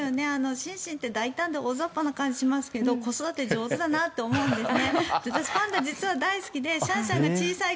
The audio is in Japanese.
シンシンって大胆で大雑把な感じがしますけど子育て上手だなと思うんですね。